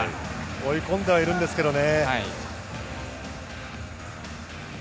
追い込んではいるんですけれどもね。